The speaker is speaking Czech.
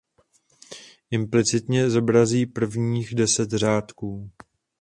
Implicitně zobrazí prvních deset řádků.